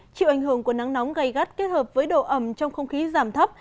chịu ảnh hưởng của nắng nóng gây gắt kết hợp với độ ẩm trong không khí giảm thấp